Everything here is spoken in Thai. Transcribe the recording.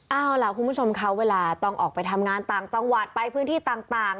เอาล่ะคุณผู้ชมคะเวลาต้องออกไปทำงานต่างจังหวัดไปพื้นที่ต่าง